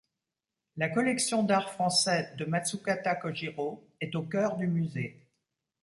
La collection d'art français de Matsukata Kōjirō est au cœur du musée.